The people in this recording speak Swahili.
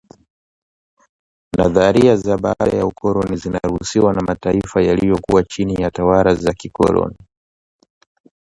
nadharia za baada ya ukoloni zinahusishwa na mataifa yaliyokuwa chini ya tawala za kikoloni